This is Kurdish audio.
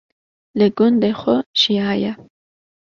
li gundê xwe jiyaye